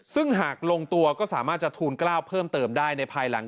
ซึ่งหากลงตัวก็สามารถจะทูลกล้าวเพิ่มเติมได้ในภายหลัง